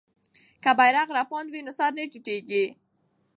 که بیرغ رپاند وي نو سر نه ټیټیږي.